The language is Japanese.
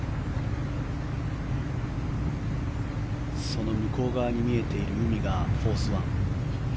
その向こう側に見えている海がフォース湾。